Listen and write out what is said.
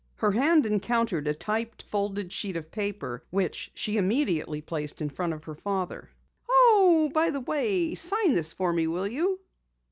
Her hand encountered a typed, folded sheet of paper which she immediately placed in front of her father. "Oh, by the way, sign this for me, will you?"